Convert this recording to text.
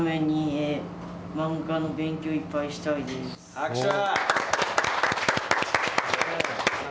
拍手！